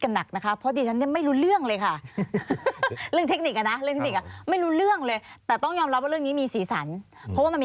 หลังเข้ามาเริ่มดัง